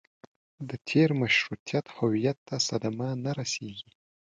د تېر مشروطیت هویت ته صدمه نه رسېږي.